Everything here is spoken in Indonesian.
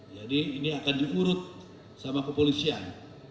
jadi ini akan diurut sama kepolisian